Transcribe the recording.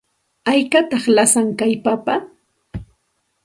¿Haykataq lasan kay papa?